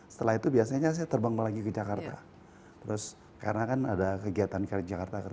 setelah itu biasanya saya terbang lagi ke jakarta terus karena kan ada kegiatan karir jakarta